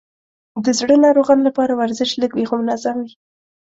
د زړه ناروغانو لپاره ورزش لږ وي، خو منظم وي.